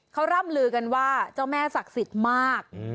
เขาร่ำลือกันว่าเจ้าแม่ศักดิ์สิทธิ์มาก